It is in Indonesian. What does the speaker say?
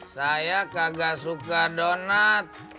saya kagak suka donat